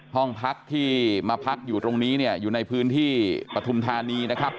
ห้องพักที่มาพักอยู่ตรงนี้เนี่ยอยู่ในพื้นที่ปฐุมธานีนะครับ